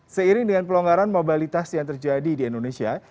seiring dengan pelonggaran mobilitas yang terjadi di indonesia